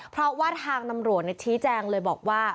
เพราะว่าทางตำรวจชี้แจงเลยบอกว่า